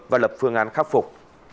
và lập phương án khắc phục